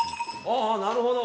あっなるほど。